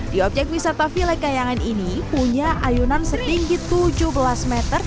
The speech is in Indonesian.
di objek wisata vilek kayangan ini punya ayunan setinggi tujuh belas meter